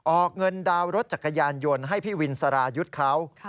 ออกเงินดาวน์รถจักรยานยนต์ให้พี่วินสรายุทธ์เขา